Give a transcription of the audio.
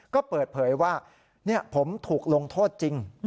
ก็เปิดเผยว่าผมถูกลงโทษจริง